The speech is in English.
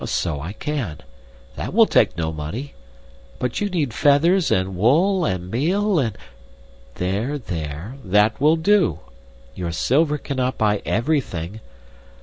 "So I can. That will take no money. But you need feathers and wool and meal, and " "There, there! That will do. Your silver cannot buy everything.